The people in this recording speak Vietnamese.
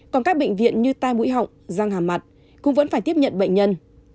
còn các bệnh viện như tai mũi họng răng hàm mặt cũng vẫn phải tiếp nhận bệnh nhân